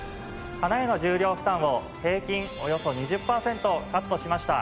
鼻への重量負担を平均およそ２０パーセントカットしました。